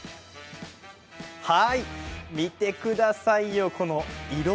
見てくださいよ、この色。